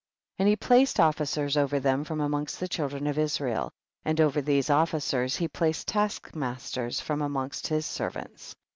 10. And he placed officers over them from amongst the children of Israel, and over these officers he placed taskmasters from amongst his servants.